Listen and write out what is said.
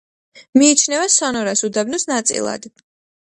მიიჩნევა სონორას უდაბნოს ნაწილად.